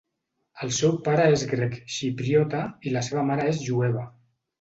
El seu pare és grec xipriota i la seva mare és jueva.